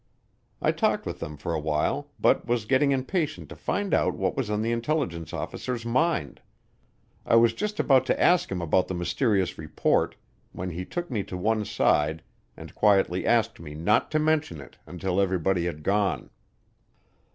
I talked with them for a while, but was getting impatient to find out what was on the intelligence officer's mind. I was just about to ask him about the mysterious report when he took me to one side and quietly asked me not to mention it until everybody had gone.